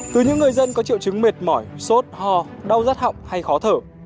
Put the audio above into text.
từ những người dân có triệu chứng mệt mỏi sốt hò đau rát họng hay khó thở